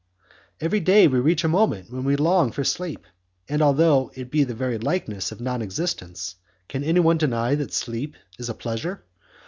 "Every day we reach a moment when we long for sleep, and, although it be the very likeness of non existence, can anyone deny that sleep is a pleasure?